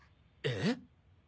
えっ？